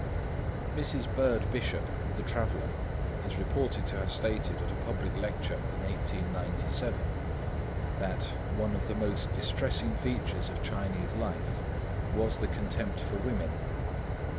Mrs. Bird Bishop, the traveller, is reported to have stated at a public lecture in 1897, that "one of the most distressing features of Chinese life was the contempt for women.